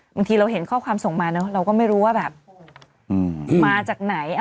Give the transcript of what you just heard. บางทีเราเห็นข้อความส่งมาเนอะเราก็ไม่รู้ว่าแบบมาจากไหน